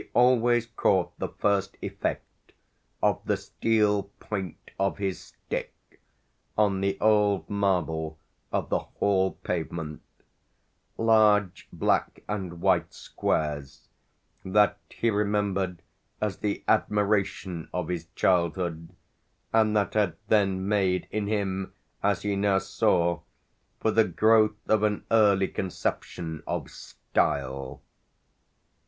He always caught the first effect of the steel point of his stick on the old marble of the hall pavement, large black and white squares that he remembered as the admiration of his childhood and that had then made in him, as he now saw, for the growth of an early conception of style.